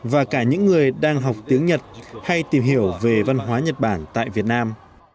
và cả những người đang học tiếng nhật hay tìm hiểu về văn hóa nhật bản tại việt nam